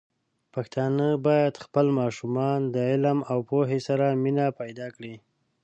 پښتانه بايد خپل ماشومان د علم او پوهې سره مینه پيدا کړي.